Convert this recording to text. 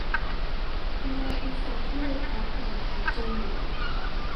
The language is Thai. แมวเป็นสัตว์ที่ลึกลับอย่างแท้จริง